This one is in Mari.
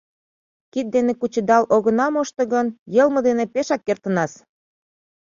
Кид дене кучедал огына мошто гын, йылме дене пешак кертынас.